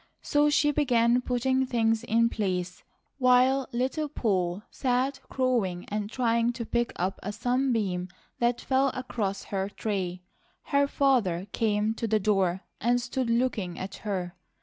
So she began putting things in place while Little Poll sat crowing and trying to pick up a sunbeam that fell across her tray. Her father came to the door and stood looking at her.